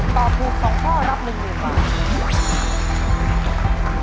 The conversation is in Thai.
ตอบถูกของข้อรับ๑๐๐๐๐๐๐บาท